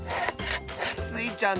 スイちゃん